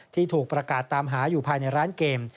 ที่ถูกประกาศตามหาอยู่ภายในร้านเกม